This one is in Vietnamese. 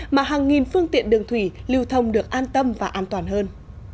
mà hàng nghìn phương tiện đường thủy lưu thông được an tâm và an toàn hơn